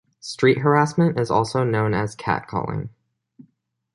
Street harassment is also known as catcalling.